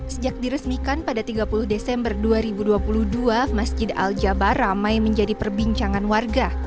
sejak diresmikan pada tiga puluh desember dua ribu dua puluh dua masjid al jabar ramai menjadi perbincangan warga